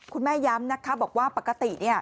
คุณแม่ย้ำนะครับบอกว่าปกติ